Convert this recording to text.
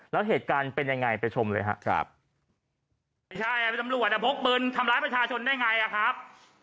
แล้วเหตุการณ์เป็นยังไงไปชมเลยครับไม่ใช่อ่ะเป็นตำรวจอ่ะพกปืนทำร้ายประชาชนได้ไงอ่ะครับ